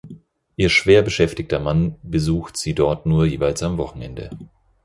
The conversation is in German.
Ihr schwer beschäftigter Mann besucht sie dort nur jeweils am Wochenende.